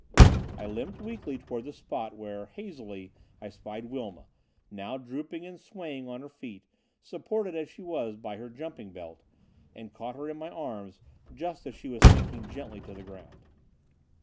I leaped weakly toward the spot where hazily I spied Wilma, now drooping and swaying on her feet, supported as she was by her jumping belt, and caught her in my arms, just as she was sinking gently to the ground.